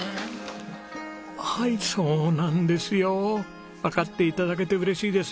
はいそうなんですよ。わかって頂けて嬉しいです。